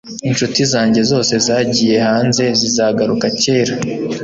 ishuti zanjye zose zagiye hanze zizagaruka kera